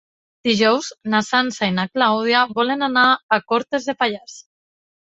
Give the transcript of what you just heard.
Dijous na Sança i na Clàudia volen anar a Cortes de Pallars.